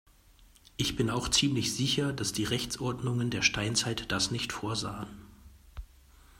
Ich bin auch ziemlich sicher, dass die Rechtsordnungen der Steinzeit das nicht vorsahen.